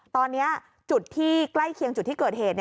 ตอนนี้จุดที่ใกล้เคียงจุดที่เกิดเหตุ